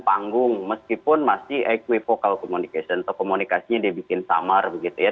panggung meskipun masih equiphocal communication atau komunikasinya dibikin summer begitu ya